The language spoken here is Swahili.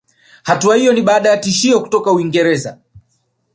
Hatua iyo ni baada ya tishio kutoka Uingereza